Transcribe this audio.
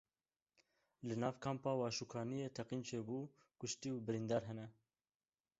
Li nav Kampa Waşûkaniyê teqîn çêbû kuştî û birîndar hene.